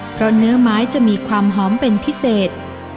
เพราะเนื้อไม้จะมีความหอมเป็นพิเศษ